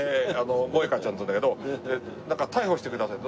モエカちゃんっていうんだけど逮捕してくださいと。